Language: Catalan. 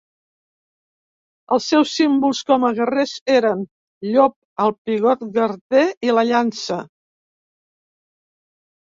Els seus símbols com a guerrer eren: el llop, el pigot garser i la llança.